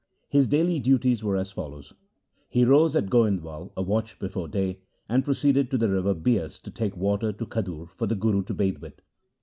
His daily duties were as follows : He rose at Goindwal a watch before day, and pro ceeded to the river Bias to take water to Khadur for the Guru to bathe with.